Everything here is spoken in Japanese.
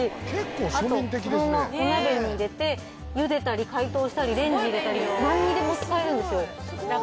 あとこのままお鍋に入れてゆでたり解凍したりレンジに入れたりなんにでも使えるんですよ。